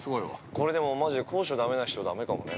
◆これでもマジ高所だめな人だめかもね。